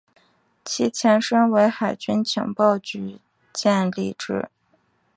其前身为海军情报局建立之。